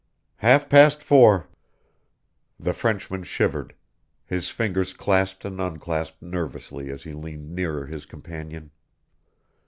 "Half past four." The Frenchman shivered; his fingers clasped and unclasped nervously as he leaned nearer his companion.